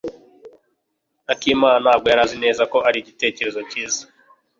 Akimana ntabwo yari azi neza ko ari igitekerezo cyiza.